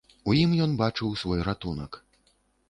У ім ён бачыў свой ратунак.